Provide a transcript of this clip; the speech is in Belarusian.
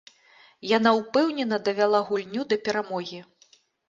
Яна ўпэўнена давяла гульню да перамогі.